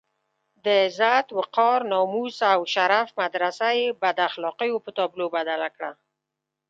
د عزت، وقار، ناموس او شرف مدرسه یې بد اخلاقيو په تابلو بدله کړه.